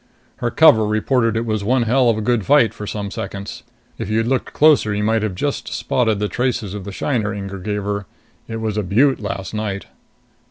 "Her cover reported it was one hell of a good fight for some seconds. If you'd looked closer, you might have just spotted the traces of the shiner Inger gave her. It was a beaut last night."